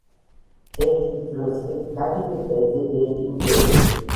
ერთ ვიწროს ხიდს გაგიდებ და ზედ ერთი მგელი